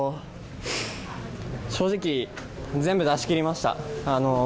正直、全部出し切りました。